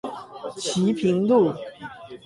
旗屏路